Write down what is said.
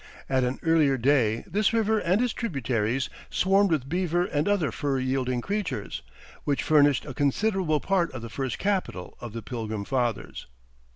At an earlier day this river and its tributaries swarmed with beaver and other fur yielding creatures, which furnished a considerable part of the first capital of the Pilgrim Fathers.